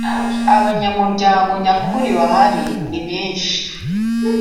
abanyamuryango nyakuri bahari nibenshi